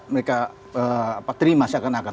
mereka terima seakan akan